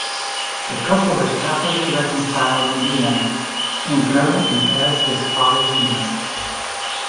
The couple is happily reconciled in the end, and Geraint inherits his father's kingdom.